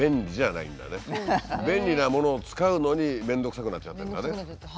便利なものを使うのに面倒くさくなっちゃってんだね。